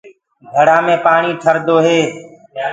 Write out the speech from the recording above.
گھڙآ مي پآڻي ٺردو هي۔